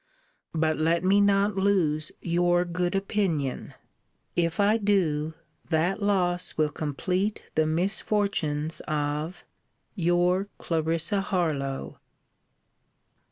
But let me not lose your good opinion. If I do, that loss will complete the misfortunes of Your CL. HARLOWE.